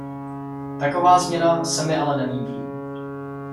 Taková změna se mi ale nelíbí.